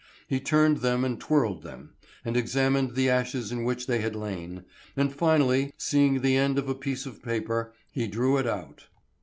He turned them and twirled them, and examined the ashes in which they had lain, and finally, seeing the end of a piece of paper, he drew it out.